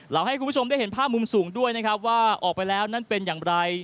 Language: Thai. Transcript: ให้คุณผู้ชมได้เห็นภาพมุมสูงด้วยนะครับว่าออกไปแล้วนั้นเป็นอย่างไร